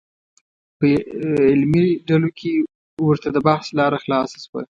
په علمي ډلو کې ورته د بحث لاره خلاصه شوه.